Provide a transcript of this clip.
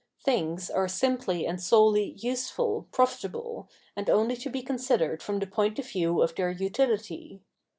Things are simply and solely useful, profitable, and only to be considered from the point of view of their /Utility.